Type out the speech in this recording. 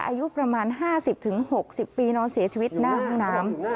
อายุประมาณ๕๐๖๐ปีนอนเสียชีวิตหน้าห้องน้ำ